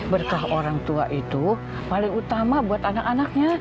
berkah orang tua itu paling utama buat anak anaknya